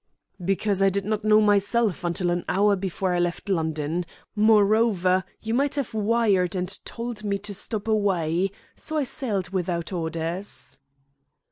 "Because I did not know myself until an hour before I left London. Moreover, you might have wired and told me to stop away, so I sailed without orders."